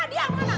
eh diam mana